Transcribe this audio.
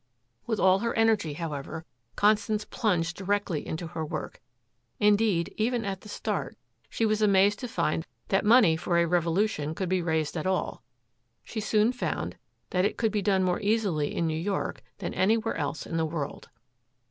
With all her energy, however, Constance plunged directly into her work. Indeed, even at the start she was amazed to find that money for a revolution could be raised at all. She soon, found that it could be done more easily in New York than anywhere else in the world.